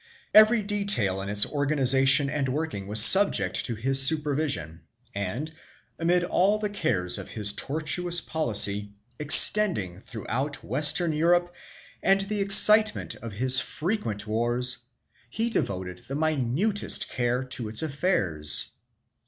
Every detail in its organization and working was subject to his supervision and, amid all the cares of his tortuous policy, extending throughout Western Europe, and the excitement of his frequent wars, he devoted the minutest care to its affairs.